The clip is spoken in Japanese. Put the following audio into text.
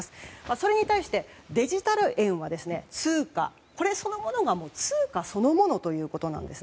それに対してデジタル円はこれそのものが通貨そのものということです。